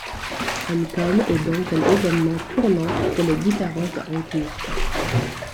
Un comme est donc un événement tournant pour les différentes en cours.